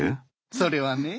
それはね。